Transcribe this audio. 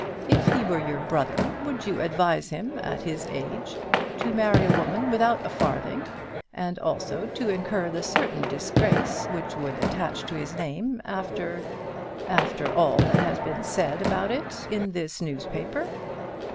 If he were your brother, would you advise him, at his age, to marry a woman without a farthing, and also to incur the certain disgrace which would attach to his name after after all that has been said about it in this newspaper?"